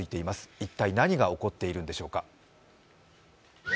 一体何が起こっているんでしょうか。